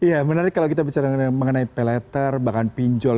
iya menarik kalau kita bicara mengenai pay letter bahkan pinjol